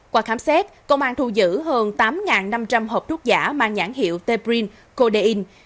qua khám xét công an thu giữ hơn tám năm trăm linh hộp thuốc giả mang nhãn hiệu teprin code